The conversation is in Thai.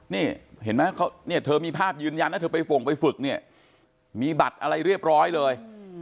นี่เห็นไหมเนี่ยเธอมีภาพยืนยันนะเธอไปฝงไปฝึกเนี่ยมีบัตรอะไรเรียบร้อยเลย